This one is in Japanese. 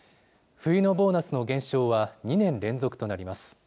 冬のボーナスの減少は２年連続となります。